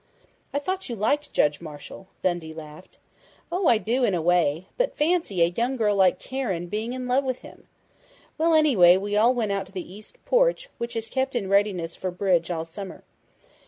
"I thought you liked Judge Marshall," Dundee laughed. "Oh, I do in a way.... But fancy a young girl like Karen being in love with him!... Well, anyway, we all went out to the east porch, which is kept in readiness for bridge all summer.